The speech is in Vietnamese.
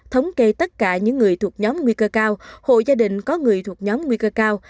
thống kê tất cả những người thuộc nhóm nguy cơ cao hộ gia đình có người thuộc nhóm nguy cơ cao